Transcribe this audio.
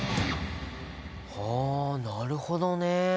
はなるほどね。